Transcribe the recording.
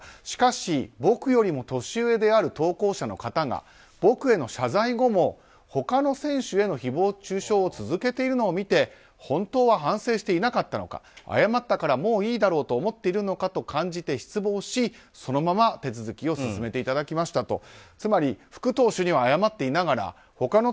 しかし、僕よりも年上である投稿者の方が僕への謝罪後も他の選手への誹謗中傷を続けているのを見て本当は反省していなかったのか謝ったからもういいだろうと思っているのかと感じて失望し、そのまま手続きを進めていただきましたと。